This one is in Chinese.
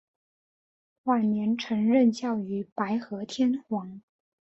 晚年曾任教于白河天皇。